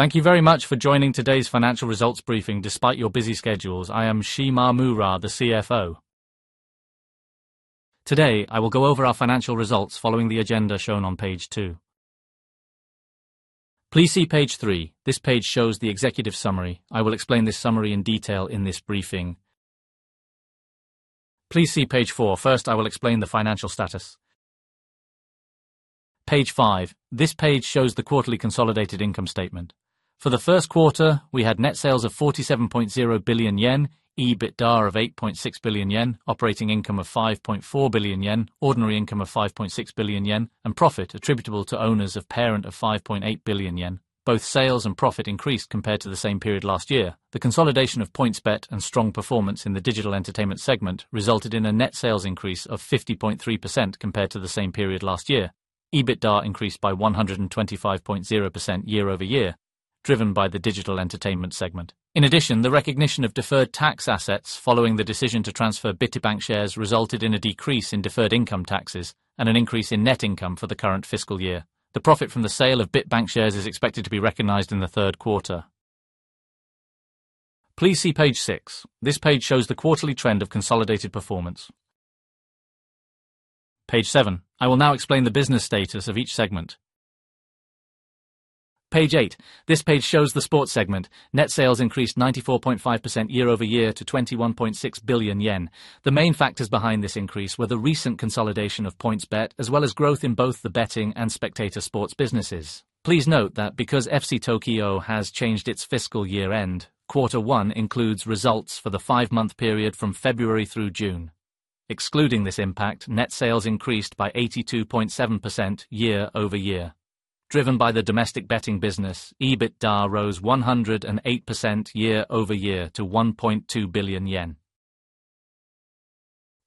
Thank you very much for joining today's financial results briefing despite your busy schedules. I am Shimamura, the CFO. Today, I will go over our financial results following the agenda shown on page two. Please see page three. This page shows the executive summary. I will explain this summary in detail in this briefing. Please see page four. First, I will explain the financial status. Page five. This page shows the quarterly consolidated income statement. For the first quarter, we had net sales of 47.0 billion yen, EBITDA of 8.6 billion yen, operating income of 5.4 billion yen, ordinary income of 5.6 billion yen, and profit attributable to owners of parent of 5.8 billion yen. Both sales and profit increased compared to the same period last year. The consolidation of PointsBet and strong performance in the digital entertainment segment resulted in a net sales increase of 50.3% compared to the same period last year. EBITDA increased by 125.0% year-over-year, driven by the digital entertainment segment. In addition, the recognition of deferred tax assets following the decision to transfer bitbank shares resulted in a decrease in deferred income taxes and an increase in net income for the current fiscal year. The profit from the sale of bitbank shares is expected to be recognized in the third quarter. Please see page six. This page shows the quarterly trend of consolidated performance. Page seven. I will now explain the business status of each segment. Page eight. This page shows the sports segment. Net sales increased 94.5% year-over-year to 21.6 billion yen. The main factors behind this increase were the recent consolidation of PointsBet, as well as growth in both the betting and spectator sports businesses. Please note that because FC Tokyo has changed its fiscal year end, quarter one includes results for the five-month period from February through June. Excluding this impact, net sales increased by 82.7% year-over-year. Driven by the domestic betting business, EBITDA rose 108% year-over-year to JPY 1.2 billion.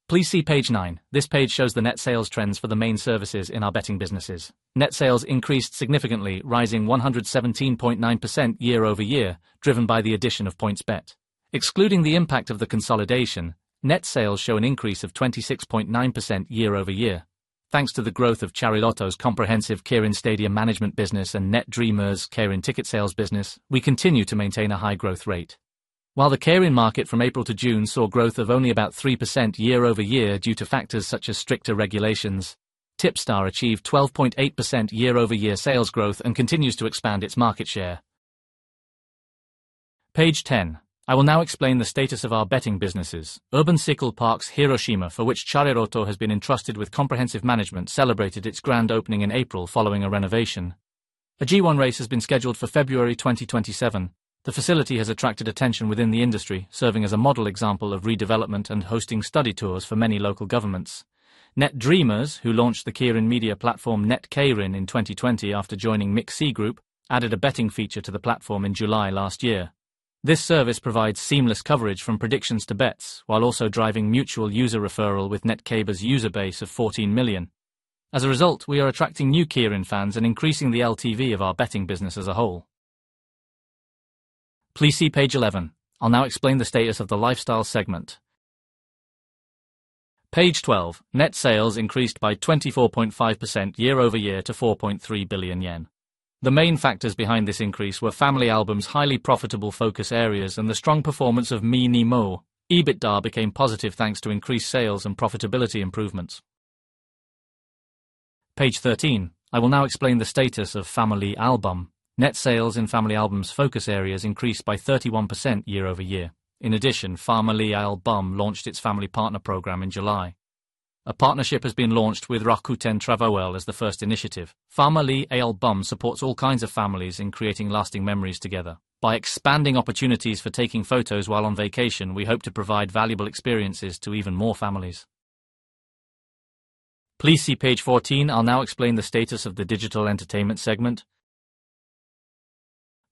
Please see page nine. This page shows the net sales trends for the main services in our betting businesses. Net sales increased significantly, rising 117.9% year-over-year, driven by the addition of PointsBet. Excluding the impact of the consolidation, net sales show an increase of 26.9% year-over-year. Thanks to the growth of Chariloto's comprehensive Keirin stadium management business and NetDreamers' Keirin ticket sales business, we continue to maintain a high growth rate. While the Keirin market from April to June saw growth of only about 3% year-over-year due to factors such as stricter regulations, TIPSTAR achieved 12.8% year-over-year sales growth and continues to expand its market share. Page 10. I will now explain the status of our betting businesses. Urban Cycle Parks Hiroshima, for which Chariloto has been entrusted with comprehensive management, celebrated its grand opening in April following a renovation. A G1 race has been scheduled for February 2027. The facility has attracted attention within the industry, serving as a model example of redevelopment and hosting study tours for many local governments. NetDreamers, who launched the Keirin media platform netkeirin in 2020 after joining MIXI Group, added a betting feature to the platform in July last year. This service provides seamless coverage from predictions to bets while also driving mutual user referral with netkei's user base of 14 million. As a result, we are attracting new Keirin fans and increasing the LTV of our betting business as a whole. Please see page 11. I'll now explain the status of the lifestyle segment. Page 12. Net sales increased by 24.5% year-over-year to 4.3 billion yen. The main factors behind this increase were FamilyAlbum's highly profitable focus areas and the strong performance of minimo. EBITDA became positive thanks to increased sales and profitability improvements. Page 13. I will now explain the status of FamilyAlbum. Net sales in FamilyAlbum's focus areas increased by 31% year-over-year. In addition, FamilyAlbum launched its Family Partner program in July. A partnership has been launched with Rakuten Travel as the first initiative. FamilyAlbum supports all kinds of families in creating lasting memories together. By expanding opportunities for taking photos while on vacation, we hope to provide valuable experiences to even more families. Please see page 14. I'll now explain the status of the digital entertainment segment.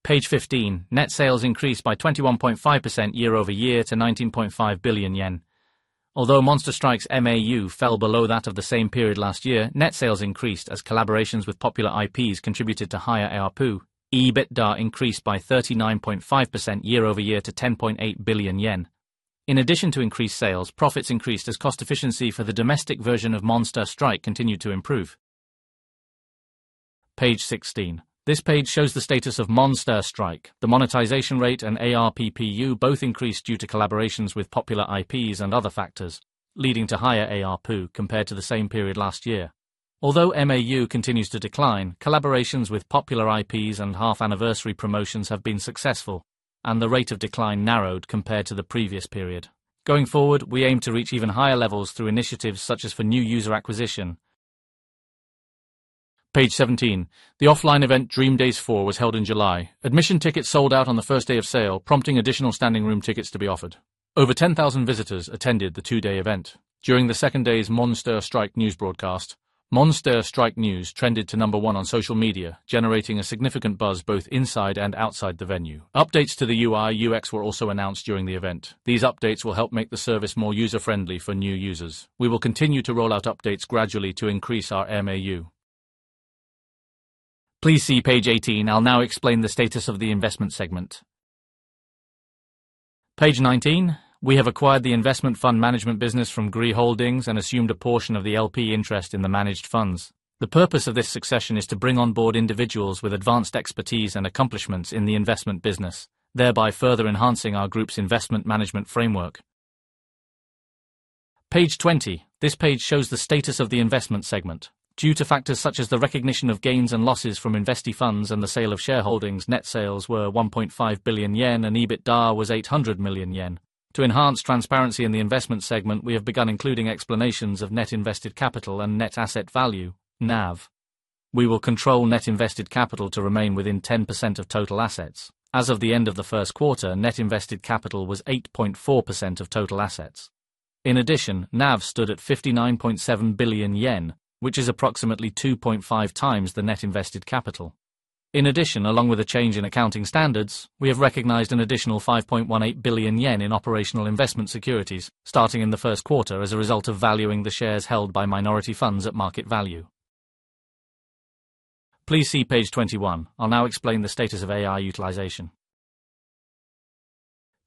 Page 15. Net sales increased by 21.5% year-over-year to 19.5 billion yen. Although MONSTER STRIKE's MAU fell below that of the same period last year, net sales increased as collaborations with popular IPs contributed to higher ARPU. EBITDA increased by 39.5% year-over-year to 10.8 billion yen. In addition to increased sales, profits increased as cost efficiency for the domestic version of MONSTER STRIKE continued to improve. Page 16. This page shows the status of MONSTER STRIKE. The monetization rate and ARPPU both increased due to collaborations with popular IPs and other factors, leading to higher ARPU compared to the same period last year. Although MAU continues to decline, collaborations with popular IPs and half-anniversary promotions have been successful, and the rate of decline narrowed compared to the previous period. Going forward, we aim to reach even higher levels through initiatives such as for new user acquisition. Page 17. The offline event DREAMDAZE IV was held in July. Admission tickets sold out on the first day of sale, prompting additional standing room tickets to be offered. Over 10,000 visitors attended the two-day event. During the second day's MONSTER STRIKE news broadcast, MONSTER STRIKE news trended to number one on social media, generating a significant buzz both inside and outside the venue. Updates to the UI/UX were also announced during the event. These updates will help make the service more user-friendly for new users. We will continue to roll out updates gradually to increase our MAU. Please see page 18. I'll now explain the status of the investment segment. Page 19. We have acquired the investment fund management business from GRI Holdings and assumed a portion of the LP interest in the managed funds. The purpose of this succession is to bring on board individuals with advanced expertise and accomplishments in the investment business, thereby further enhancing our Group's investment management framework. Page 20. This page shows the status of the investment segment. Due to factors such as the recognition of gains and losses from investee funds and the sale of shareholdings, net sales were 1.5 billion yen and EBITDA was 800 million yen. To enhance transparency in the investment segment, we have begun including explanations of net invested capital and net asset value, NAV. We will control net invested capital to remain within 10% of total assets. As of the end of the first quarter, net invested capital was 8.4% of total assets. NAV stood at 59.7 billion yen, which is approximately 2.5 times the net invested capital. Along with a change in accounting standards, we have recognized an additional 5.18 billion yen in operational investment securities, starting in the first quarter as a result of valuing the shares held by minority funds at market value. Please see page 21. I will now explain the status of AI utilization.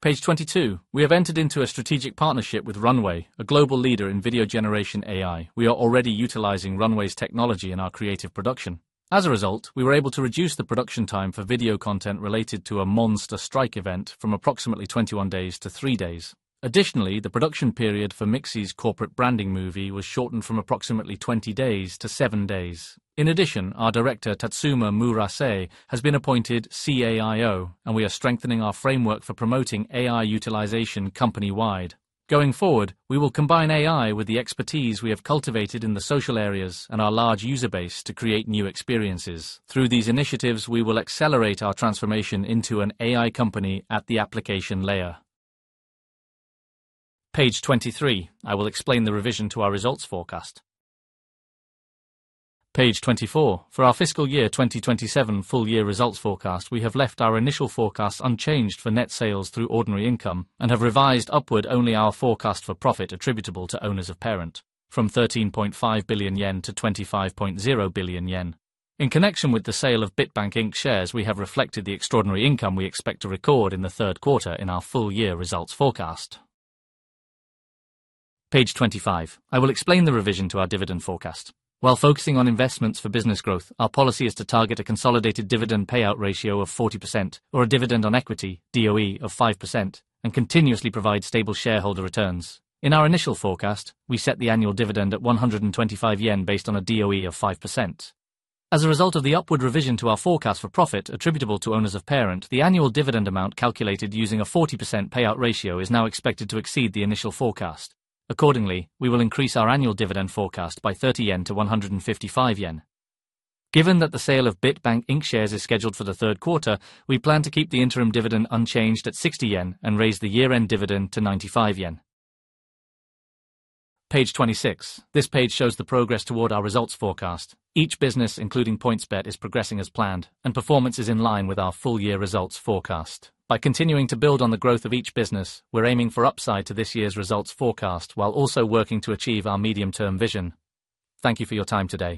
Page 22. We have entered into a strategic partnership with Runway, a global leader in video generation AI. We are already utilizing Runway's technology in our creative production. As a result, we were able to reduce the production time for video content related to a MONSTER STRIKE event from approximately 21 days to three days. Additionally, the production period for MIXI's corporate branding movie was shortened from approximately 20 days to seven days. Our director, Tatsuma Murase, has been appointed CAIO, and we are strengthening our framework for promoting AI utilization company-wide. Going forward, we will combine AI with the expertise we have cultivated in the social areas and our large user base to create new experiences. Through these initiatives, we will accelerate our transformation into an AI company at the application layer. Page 23. I will explain the revision to our results forecast. Page 24. For our fiscal year 2027 full-year results forecast, we have left our initial forecasts unchanged for net sales through ordinary income and have revised upward only our forecast for profit attributable to owners of parent, from 13.5 billion yen to 25.0 billion yen. In connection with the sale of bitbank, Inc. shares, we have reflected the extraordinary income we expect to record in the third quarter in our full-year results forecast. Page 25. I will explain the revision to our dividend forecast. While focusing on investments for business growth, our policy is to target a consolidated dividend payout ratio of 40%, or a dividend on equity, DOE, of 5%, and continuously provide stable shareholder returns. In our initial forecast, we set the annual dividend at 125 yen based on a DOE of 5%. As a result of the upward revision to our forecast for profit attributable to owners of parent, the annual dividend amount calculated using a 40% payout ratio is now expected to exceed the initial forecast. We will increase our annual dividend forecast by 30 yen to 155 yen. Given that the sale of bitbank, Inc. shares is scheduled for the third quarter, we plan to keep the interim dividend unchanged at 60 yen and raise the year-end dividend to 95 yen. Page 26. This page shows the progress toward our results forecast. Each business, including PointsBet, is progressing as planned, and performance is in line with our full-year results forecast. By continuing to build on the growth of each business, we are aiming for upside to this year's results forecast while also working to achieve our medium-term vision. Thank you for your time today.